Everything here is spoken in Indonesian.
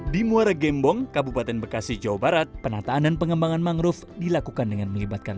di muara gembong kabupaten bekasi jawa barat penataan dan pengembangan mangrove dilakukan dengan melibatkan